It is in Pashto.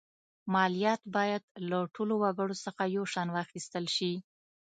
مالیات باید له ټولو وګړو څخه یو شان واخیستل شي.